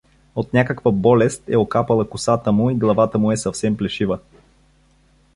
От някаква болест е окапала косата му и главата му е съвсем плешива.